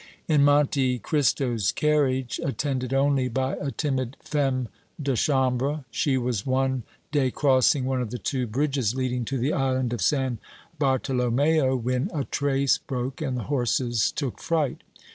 In Monte Cristo's carriage, attended only by a timid femme de chambre, she was one day crossing one of the two bridges leading to the Island of San Bartolomeo, when a trace broke and the horses took fright.